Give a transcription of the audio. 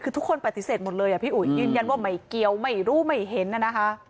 คือทุกคนปฏิเสธหมดเลยอ่ะพี่อุ๋ยยืนยันว่าไม่เกี่ยวไม่รู้ไม่เห็นน่ะนะคะ